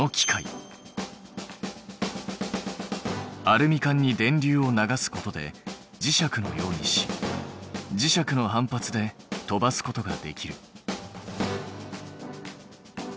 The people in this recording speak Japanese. アルミ缶に電流を流すことで磁石のようにし磁石の反発で飛ばすことができる。